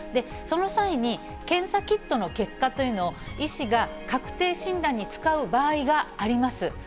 その際に、検査キットの結果というのを、医師が確定診断に使う場合があります。